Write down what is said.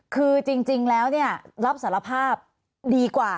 คือจริงแล้วรับสารภาพดีกว่า